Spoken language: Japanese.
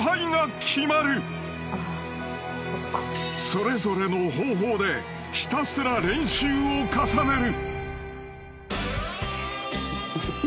［それぞれの方法でひたすら練習を重ねる］